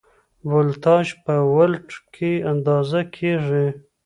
ولتاژ په ولټ کې اندازه کېږي.